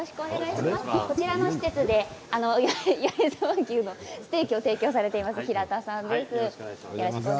こちらの施設で米沢牛のステーキを提供されています平田さんです。